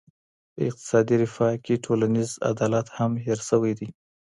په اقتصادي رفاه کي ټولنیز عدالت هم هېر سوی دی.